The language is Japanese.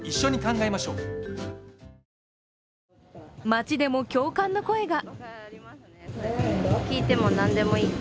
街でも共感の声が。